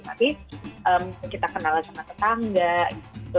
tapi kita kenalan sama tetangga gitu